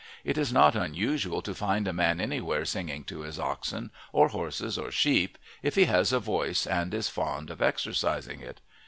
It is not unusual to find a man anywhere singing to his oxen, or horses, or sheep, if he has a voice and is fond of exercising it.